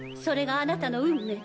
それがあなたの運命。